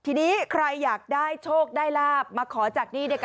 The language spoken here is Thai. ทีนี้ใครอยากได้โชคได้ลาบมาขอจากนี่